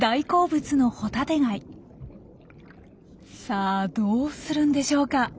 さあどうするんでしょうか？